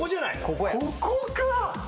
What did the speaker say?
ここか！